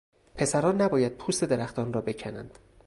پسران نباید پوست درختان را بکنند.